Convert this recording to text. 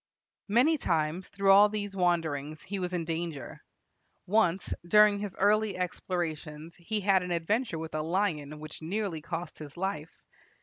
Many times through all these wanderings he was in danger. Once, during his early explorations, he had an adventure with a lion, which nearly cost his life.